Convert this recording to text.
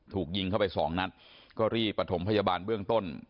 ถูกยิงเข้าไปสองนัดก็รีบประถมพยาบาลเบื้องต้น